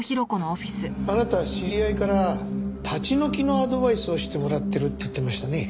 あなた知り合いから立ち退きのアドバイスをしてもらってるって言ってましたね。